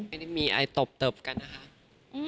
อันนี้มีไอตบตบเกิดนะคะ